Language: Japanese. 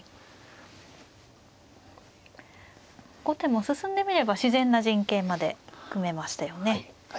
後手も進んでみれば自然な陣形まで組めましたよね。